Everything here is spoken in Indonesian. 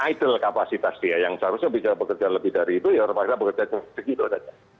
idle kapasitas dia yang seharusnya bisa bekerja lebih dari itu ya terpaksa bekerja segitu saja